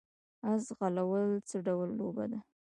اس ځغلول څه ډول لوبه ده؟